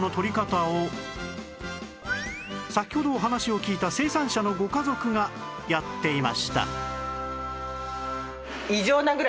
先ほどお話を聞いた生産者のご家族がやっていました